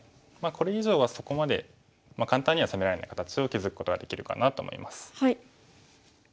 これ以上はそこまで簡単には攻められない形を築くことができるかなと思います。